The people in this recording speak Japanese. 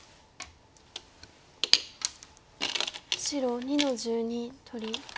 白２の十二取り。